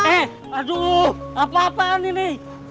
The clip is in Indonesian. eh aduh apa apaan ini